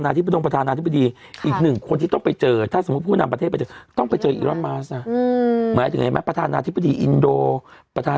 ไว้กับประเทศไทยอ่ะอ่าตอนสิบสามหมูป่าอยู่ไหนอ่า